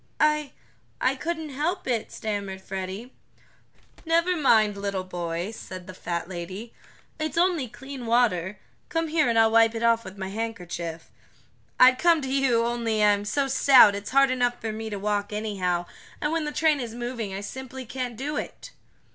"I I couldn't help it," stammered Freddie. "Never mind, little boy," said the fat lady. "It's only clean water. Come here and I'll wipe it off with my handkerchief. I'd come to you, only I'm so stout it's hard enough for me to walk anyhow, and when the train is moving I simply can't do it."